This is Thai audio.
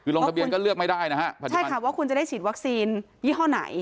คือลงทะเบียนก็เลือกไม่ได้นะฮะใช่ค่ะว่าคุณจะได้ฉีดวัคซีนยี่ห้อไหน